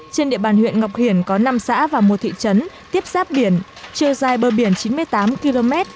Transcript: trên địa bàn huyện ngọc hiển có năm xã và một thị trấn tiếp sát biển chiều dài bờ biển chín mươi tám km